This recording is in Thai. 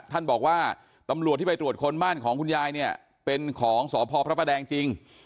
ท่านบอกว่าตำรวจที่ไปตรวจคนบ้านของคุณยายเนี่ยเป็นของสพพระประแดงจริง